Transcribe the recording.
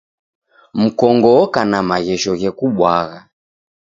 Mkongo oka na maghesho ghekubwagha.